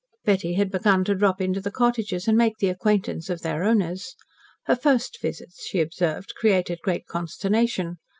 Betty had begun to drop into the cottages, and make the acquaintance of their owners. Her first visits, she observed, created great consternation.